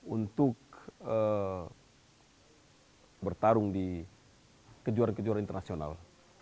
untuk bertarung di kejuaraan kejuaraan internasional